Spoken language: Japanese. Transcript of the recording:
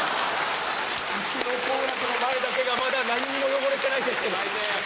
うちの好楽の前だけがまだ何にも汚れてないですけど。